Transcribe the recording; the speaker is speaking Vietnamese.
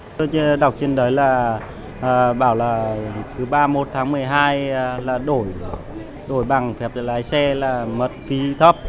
tôi đọc trên đấy là bảo là từ ba mươi một tháng một mươi hai là đổi đổi bằng phép lái xe là mất phí thấp